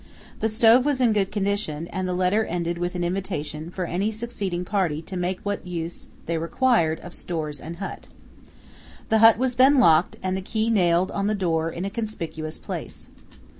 The stove was in good condition, and the letter ended with an invitation for any succeeding party to make what use they required of stores and hut. The hut was then locked and the key nailed on the door in a conspicuous place.